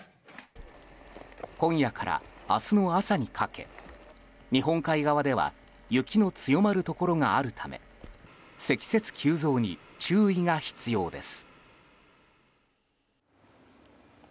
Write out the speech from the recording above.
今夜から明日の朝にかけ日本海側では雪の強まるところがあるため積雪急増に注意が必要です。